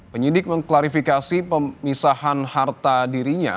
penyidik mengklarifikasi pemisahan harta dirinya